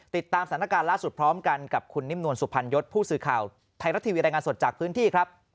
ติดตามสถานการณ์ล่าสุดพร้อมกันกับคุณนิ่มนวลสุพรรณยศผู้สื่อข่าวไทยรัฐทีวีรายงานสดจากพื้นที่ครับ